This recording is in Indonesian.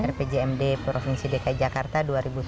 rpjmd provinsi dki jakarta dua ribu tujuh belas dua ribu dua puluh dua